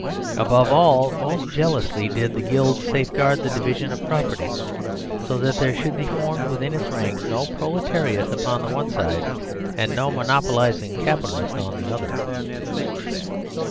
Above all, most jealously did the Guild safeguard the division of property, so that there should be formed within its ranks no proletariat upon the one side, and no monopolising capitalist upon the other.